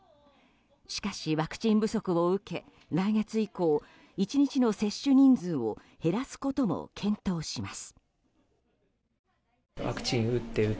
しかし、ワクチン不足を受け来月以降１日の接種人数を減らすことも検討します。